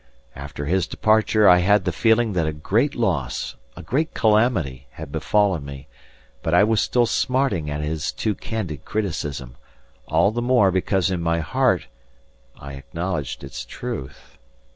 After his departure I had the feeling that a great loss, a great calamity, had befallen me, but I was still smarting at his too candid criticism, all the more because in my heart I acknowledged its truth.